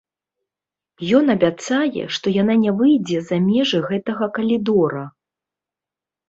Ён абяцае, што яна не выйдзе за межы гэтага калідора.